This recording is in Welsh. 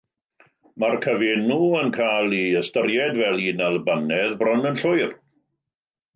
Mae'r cyfenw yn cael ei ystyried fel un Albanaidd bron yn llwyr.